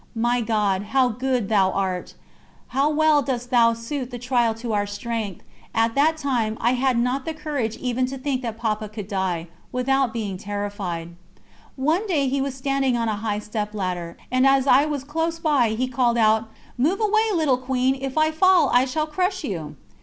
My God, how good Thou art! How well dost Thou suit the trial to our strength! At that time I had not courage even to think that Papa could die, without being terrified. One day he was standing on a high step ladder, and as I was close by he called out: "Move away, little Queen; if I fall I shall crush you."